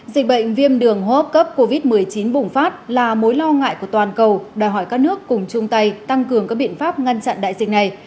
dịch bệnh viêm đường hô hấp cấp covid một mươi chín bùng phát là mối lo ngại của toàn cầu đòi hỏi các nước cùng chung tay tăng cường các biện pháp ngăn chặn đại dịch này